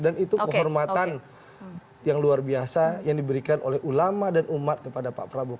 dan itu kehormatan yang luar biasa yang diberikan oleh ulama dan umat kepada pak prabowo